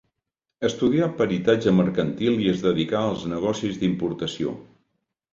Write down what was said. Estudià peritatge mercantil i es dedicà als negocis d'importació.